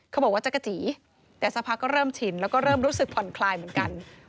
บอกว่าจักรจีแต่สักพักก็เริ่มชินแล้วก็เริ่มรู้สึกผ่อนคลายเหมือนกัน